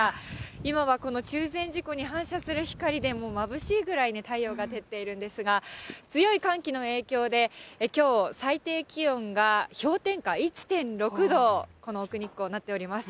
今はこの中禅寺湖に反射する光で、もうまぶしいぐらいに太陽が出ているんですが、強い寒気の影響で、きょう最低気温が氷点下１．６度、この奥日光、なっております。